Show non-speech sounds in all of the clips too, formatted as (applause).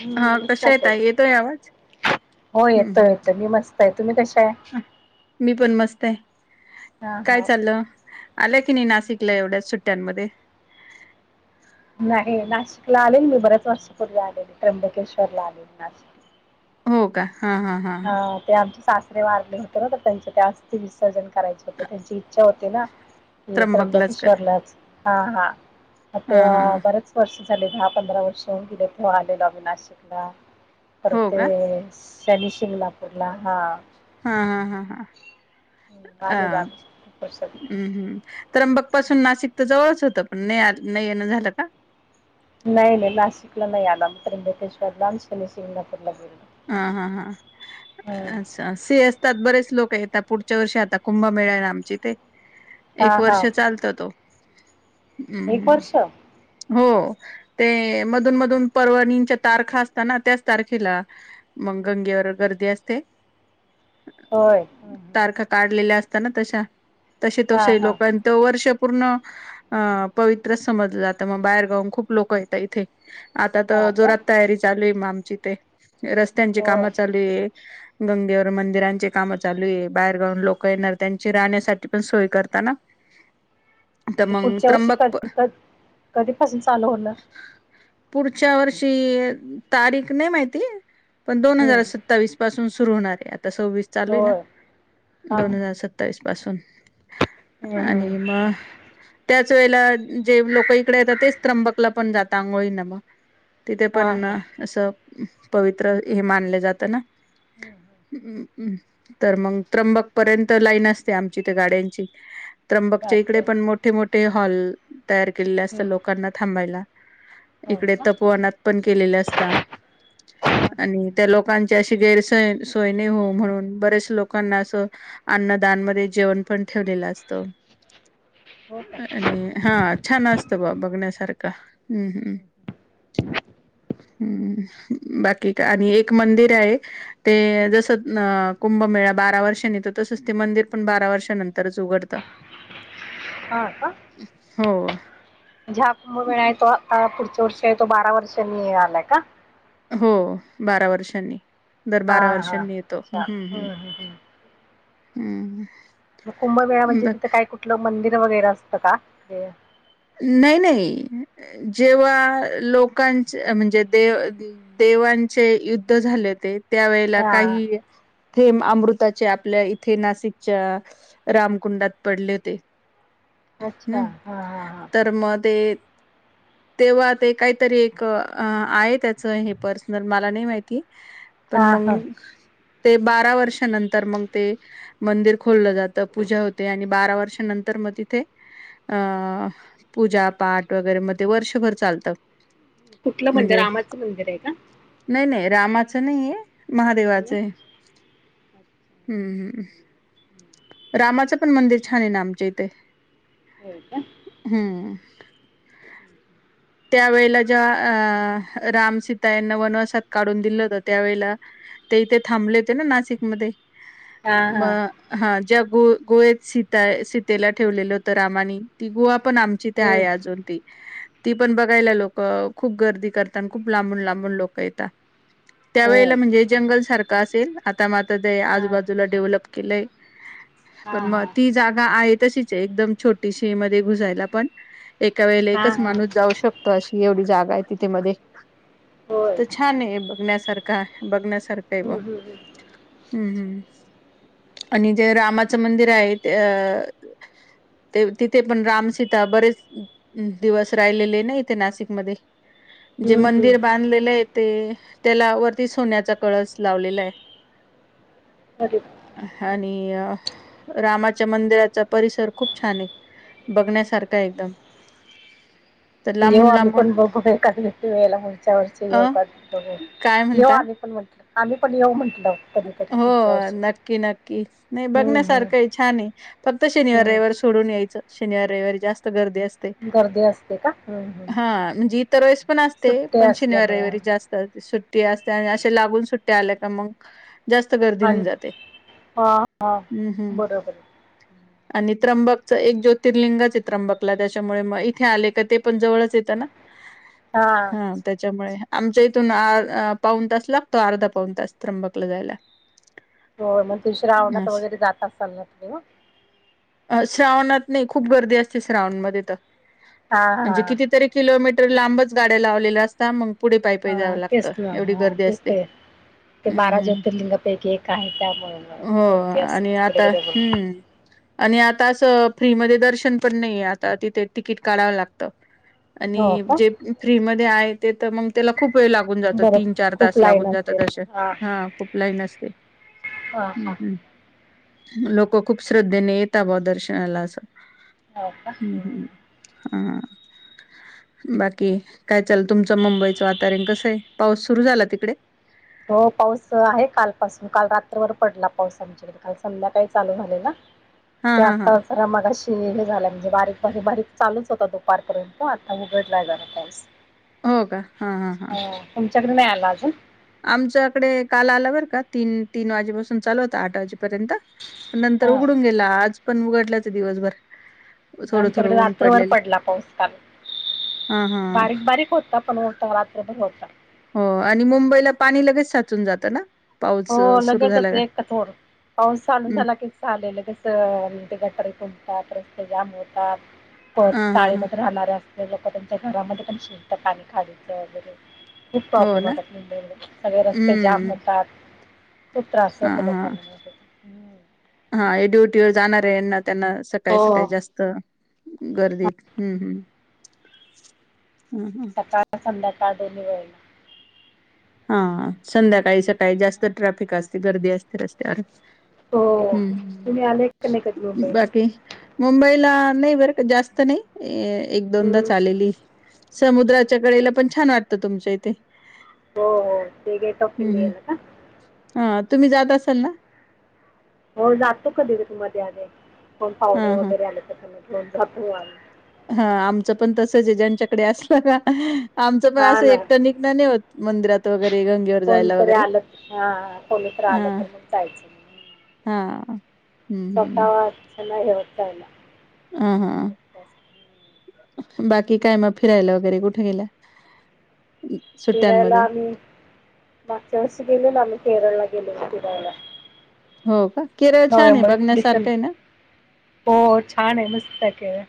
हम्म, हा कशा नमस्कार ताई. येतय येतोय आवाज. हो हम्म येतोय येतोय मी मस्त आहे तुम्ही कशा आहे? हम्म मी पण मस्त हा काय हा चाललं. आलं की नाही नाशिकला एवढ्या सुट्ट्यांमध्ये नाही नाशिकला आलेल मी बऱ्याच वर्षपूर्वी आलेल त्र्यंबकेश्वरला आलेल नाशिकला. हो का. हा ते आमचे सासरे मारले होते ना त्यांचे ते अस्ती विसर्जन कराय हो त्यांची इच्छा होती ना की त्र्यंबकलाच का त्र्यंबकेश्वरलाच हा हा. हा हा तेव्हा हा. बरेच वर्ष झाले दहा, पंधरा वर्ष होऊन गेले तेव आलेलो आम्ही नाशिकला. हो परते का ते शनिशिंगणापूरला. हा हा हा. हम्म, अ आलेलो हम् आम्ही खूप वर्षांनी हम्म त्र्यंबक पासून नाशिक तर जवळच होतं, पण नाही आ नाही येन झालं का. नाही नाही नासिकला नाही आला म तंबकेश्वर ला आणि शनिशिंगणापूर ला. हा हा हा हम्म अच्छा अ से असतात बरेच लोक. का आता पुढच्या वर्षी आता कुंभ मेळा आहे, ना आमच्या इथे. हा एक वर्ष हा चालतं तो हम्म एक हम्. वर्ष हो ते मधून मधून परवाणीच्या तारखा असत ना त्याच तारखेला. मग गंगेवर गर्दी असते, होय हं, हं. तारखा काढलेल्या अस . त्यांना तशा तसे हा तसे हा लोकां त वर्ष. पूर्ण अ पवित्र समजलं जातं मग बाहेरगाऊन खूप लोक येतात इथे. आता हा तर का जोरात तयारी चालू आहे, मग आमची ते. रस्त्यांची होय कामं चालू आहे गंगेवर. मंदिरांची काम चालू आहे, बाहेरगाऊन लोक येणार त्यांची राहण्यासाठी पण सोय करताना. (inaudible) तर म्हणजे मग पुढच्या वर्षी त्र्यंबक कधी कधी कधीपसून चालू होणार. पुढच्या वर्षी तारीख नाही माहिती पण दोन हम्म हजार सत्तावीस पासून. सुर होणार आहे, आता सव्वीस चालू आहे, ना होय हा हा दोन हजार हम्म सत्तावीस पासून. हम्म आणि म त्याच वेळेला जे लोक इकडे येतात तेच त्र्यंबकला पण जातात आंघोळी मग. तिथे हा पण हा असं पवित्र हे मानलं जात ना. हम्म हम्म तर मग त्र्यंबक पर्यंत लाईन असते, आमची ते गाड्यांची. त्र्यंबकच्या इकडे बापरे पण मोठे, मोठे हॉल तयार केलेले हम्म असतात लोकांना थांबायला. इकडे हो का तपवानात पण केलेले असता हा हा आणि त्या लोकां च्याशी गैरस सोय सोयने हो म्हणून बरेच लोकांना असं अन्नदानमध्ये जेवण. पण ठेवलेला असतो. हो का आणि हा हम्म छान असतं बा बघण्यासारखा. हम्म हम्मम हम्. बाकी आणि एक मंदिर आहे, ते हम्म जस अ. कुंभमेळा बारा वर्षांनीेतो तसच ते मंदिर पण बारा वर्षानंतरच उघडत. हा का. हो. ज्या कुंभ वेळा आहे, तो आ पुढच्या वर्ष आहे, तो बारा वर्षनी आलाय का हो बारा वर्षांनी. दर बारा वर्षांनी येतोम् हम्म हम्म हम्म. कुंभमेळा म्हणजे ब तिथं काय कुठलं मंदिर वगैरे असतं का. नाही नाही. जेव्हा लोकांच म्हणजे देव देवांचे युद्ध झाले ते. त्या वेळेला हा काही. थेंब अमृताचे आपल्या इथे नाशिकच्या रामकुंडात पडले होते. (inaudible) अच्छा हा हा हा. मध्ये. तेव्हा ते काहीतरी एक आहे, त्याच हे पर्सनल मला नाही माहिती. पण हा हा हा. मंग. ते बारा वर्षानंतर मग ते मंदिर खोलोललं जातं पूजा होते आणि बारा वर्षानंतर. तर मग तिथे अ. पूजा पाठ वगैरे मध्ये वर्षभर चालतं. कुठलं मंदिर म्हणजे रामाचं मंदिर आहे का? नाही नाही रामा नाही आहे महादेवाच हं. हम्मम्. रामाचं पण मंदिर छान आहे ना आमच्या इथे होय का हम्म. (inaudible) त्यावेेळेला ज्या अ रामसीता यांना वनवासात काढून दिलं होत त्यावेेळेला ते इथे थांबले हो ते ना नाशिकमध्येध्ये हा हा. गवीला ठेवलेलं होत रामा ग. पण आमची ते हम्म आहे अजून ती ती पण बघायला लोक खूप गर्दी करत आणि खूप लांबून लांबून लोक येतात. त्यावेेळेला होय. म्हणजे जंगल सारखं असेल आता मात ते हा आजूबाजूला डेव्हलप केलंय. हा पण म हा ती जागा आहे तशीच एकदम छोटीशी मध्ये घुसायला पण एका वेळे हा एकच हा माणूस जाऊ शकतो. एवढी जागा आहे तिथे मध्ये होय. तर छान आहे बघण्यासारखा बघण्यासारखा हम्म हम्म. आणि जे रामाचं मंदिर आहे अ ते तिथे पण रामसीता बरेच दिवस राहिलेले ना इथे नाशिक मध्ये जे हम्म हम्म मंदिर बांधलेलं आहे. ते त्याला वरती सोन्याचा कळस लावलेला आहे. अरे आणि रामाच्या मंदिराचा परिसर खूप छान आहे. बघण्यासारखा एकदम तर येऊ लांबून आम्ही लांबून पण बघू एका वयला वरच्या वरचे अ येऊ का बघू. काय येऊ म्हणता? आम्ही पण म्हटलं आम्ही पण येऊ म्हटलं कधीतध हो नक्की नक्की नाही हम्म हम्म बघण्यासारखं आहे छान आहे फक्त शनिवार हम्म. रविवार सोडून यायचं. शनिवार रविवारी जास्त गर्दी असते. गर्दी असते का? हम्म हम्म. हा म्हणजे इतर वेस पण असते सुट्ट्या पण असल्यामुळे शनिवार जास्त सुट्ट. सुट्टी असते आणि असे लागून सुट्ट आल्या का मग जास्त गर्दी आणि होऊन जाते हा हम्म हम् बरोबर आहे. आणि चित्रंबकच एक ज्योतिर्लिंग चित्रंबकला त्याच्यामुळे मग इथे आले का ते पण जवळच येतं ना. हा त्याच्यामुळे आमच्या इथून पाऊन तास लागतो अर्धा पाऊन तास त्रंबकलं जाायला. होय मग तुशी रावणात वगैरे जात असाल ना तुम्ही म श्रावणात नाही खूप गर्दी असते श्रावणमध्ये तर हा हा म्हणजे कितीतरी किलोमीट लांबच गाड्या लावलेल्या असता मग पुढे पायपी जावं हा तेच लागतं ना एवढी हा गर्दी तेच असते. ते ते हम्म बारा हम्म ज्योतिर्लिंगापैकी एक आहे त्यामुळे हो मग गर्दी आणि असेल तिकडे आता बरोबर. हम्म आणि आता असं फ्रीमध्ये दर्शन पण नाहीे आता तिथे तिकीट काढावं लागत. हो आणि का? जे फ्रीमध्ये आहे ते तर मग तर खूप खूप वेळ लागून जातात. बरं तीन चार तास खूप लाईन लागून जातात. असेल असे, हा.. खूप लाईन असते. ह हम्म हा. लोक खूप श्रद्धेने येत बा दर्शनाला. हो का? हां. बाकी काय चाललं? तुमचं मुंबईच वातावरण कसं आहे? पाऊस सुरू झाला तिकडे. हो, पाऊस आहे काल पासून. काल रात्रभर पडला पाऊस आमच्याकडे काल संध्याकाळी चालू झालेला. हा ते हा हा आता जरा मगाशी हे झालं. म्हणजे बारीक बारीक बारीक चालूच होता दुपारपर्यंत आता उघडलाय जरा पाऊस हो का हा हा हा. चंद्र नाही आला अजून आमच्याकडे काल आला बर का तीन तीन वाजेपासून चालू होता आठ वाजे पर्यंत नंतर हा उघडून का गेला. आज पण उघडलाच दिवसभर. थोडं थोडं आमच्याकडे ऊन रात्रभर पडलेलं पडला पाऊस काल. हा हा बारीक बारीक होता पण होता, रात्रभर होता. हो आणि मुंबईला पाणी लगेच साचून जातं ना? पाऊस हो अ, सुरू झाला लगेचच का इतका थोड पाऊस चालू हम्म झाला की झाले लगेच गटारी तुबतात, रस्ते जाम होतात, हा परत हा हा चाळीमध्ये राहणारे लोक त्यांच्या घरामध्ये पण शिरत पाणी खाडीच वगैरे. खूप हो प्रॉब्लेम ना होतात मुंबईमध्ये सगळे रस्ते जाम हम्म होतात. खूप त्रास हा होतो हा लोकांना माहिती हा, हे ड्युटीवर जाणार त्यांना त्यांना सकाळी सकाळी हो. जास्त गर्दीत हम्म हम्म. (inaudible) ह सकाळ संध्याकाळ दोन्ही वेळेला हा संध्याकाळी सकाळी जास्त ट्रॅफिक असते, गर्दी असते रस्त्यावर हो हम्म तुम्ही आले का नाही कधी ह्, मुंबईला? बाकी मुंबईला नाही बरं का जास्त नाही एक दोनदाच हम्म. आलेली समुद्रात च्याकडेला पण छान वाटतं तुमच्या इथे. हो हो ते गेट ऑफ हम्म इंडियाला का? हा तुम्ही जात असाल ना? हो जातो कधी कधी मध्ये अध्ये कोण हा पाहुणे वगैरे आले तर घेऊन जातो आम्ही. हा आमचं पण तसंच आहे ज्यांच्याकडे असलं ना आमचं पण हा असं ना एकट निघणं नाही होत मंदिरात वगैरे गंगेवर जायला वगैरे कोण तर आलं तर मग जायचं. हा. स्वतः नाही होत जायला. ह ह हा. बाकी काय मग फिरायला वगैरे कुठे गेलाय? फिरायला आम्ही मागच्या वर्षी गेलेलो आम्ही केरळला गेलेलो फिरायला. हो का? केरळ छान आहे नोव्हेंबर -डिसेंबर बघण्यासारखं आहे ना? हो छान आहे, मस्त आहे केरळ.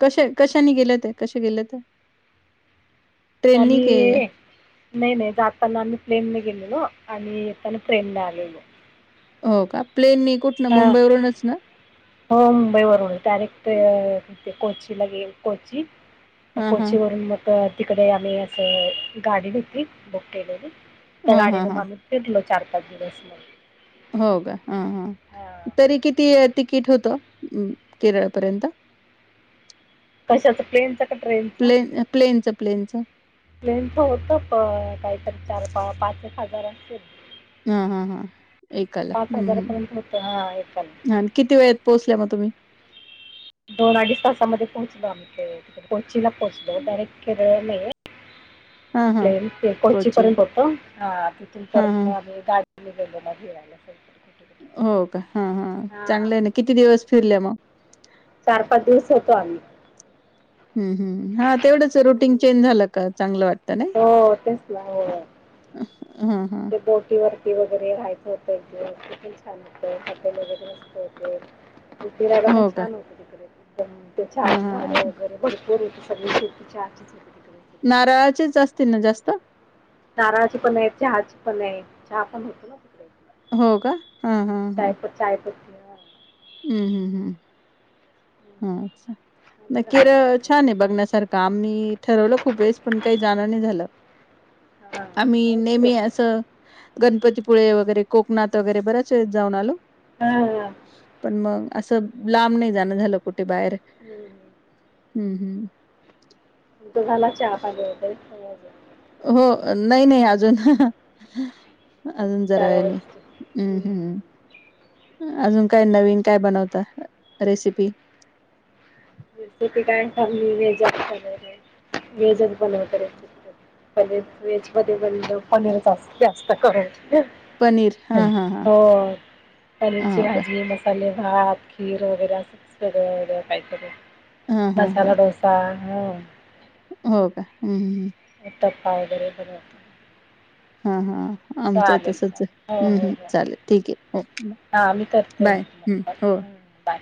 कसे, कशाने गेले होते? कसे गेले होते? आम्ही नाही नाही जाताना आम्ही प्लेन ने गेलेलो आणि येताना ट्रेनने आलेलो. हो का प्लेननी कुठन हां मुंबईवरूनच ना? हो मुंबईवरून डायरेक्ट ते कोचीला गेलो कोची हां, हां. कोचीवरून मग तिकडे आम्ही असं गाडी घेतली बुक केलेली. त्या हां, हां, गाडीन हां. मग फिरलो चार पाच दिवस मग! हो का हा हा हां तरी किती तिकीट होत केरळपर्यंत? कशाच प्लेन च? प्लेन प्लेनचं प्लेनचं! प्लेनच होत प काहीतरी चार पा पाच एक हजार असेल. हा हा हा एकाला पाच हम्म हजारापर्यंत होतं हां एकाला हम्म. आणि किती वेळेत पोहोचल्या मग तुम्ही? दोन अडीच तासामध्ये पोहोचलो आम्ही ते त कोचीला पोहोचलो डारेक्ट केरळ नाही. (inaudible) हा हा प्लेन ते कोची कोचे पर्यंत होतो, ह तिथून हा परत हा मग आम्ही गाडी म फिरायला सोप्प हो का हा हा चांगलं आहे ना, किती दिवस फिरल्या मग? चार पाच दिवस होतो आम्ही! ह् ह हा तेवढंच रुटीन चेंज झालं का चांगलं वाटत. हो तेच नाही हा हा ते बोटीवर. वगैरे राहायचं होतं छान होतल वगैरे त होते (unintelligible) राला पण हो का छान होत तिकडे दम त्या हा आज हा झाडं वगैरे ब सग (unintelligible) शेती चार नारळाचीच असतील ना जास्त. नारळाची पण आहे, चहाची पण आहे चहा पण होते ना तिकडं. हो का हा हा हा (unintelligible) हम्म हम्म हम्म अच्छा नाही हा. केरळ छान आहे बघण्यासारखं आम्ही ठरवलं खूप वेळेस पण काही. जाण नाही झालं हा आम्ही कायच आहे नेहमी असं गणपती पुळे वगैरे कोकणात वगैरे बराच जाऊन आलो हा हा. पण मग. असं लांब नाही जाणं झालं कुठे बाहेर. हम्म हम्म हम् झाला चहा पाणी वगैरे अजून हो नाही नाही अजून. अजून जरा चार वेळानी वाजते. हम्म हम्म. अजून काय नवीन काय बनवता रेसिपी. ती कायली व्हेजत व्हेजच बनवत. प व्हेजमध्ये पनीर जात जास्त करू. पनीर हा हा हा हो पनीरची हो का भाजी मसाले. भात, खीर वगैरे अस वेग वेगळं काहीतरी हा हा हा मसाला डोसा. हो हो का हम्मम उतपा वगैरे बनवतात. हा हा आमच आहे तसच हम् हम चालेल ठीक आहे ओके. हा मी करते बाय.